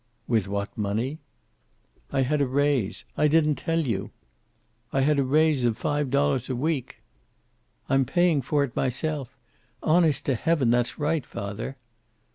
"With what money?" "I had a raise. I didn't tell you. I had a raise of five dollars a week. I'm paying for it myself. Honest to heaven, that's right, father."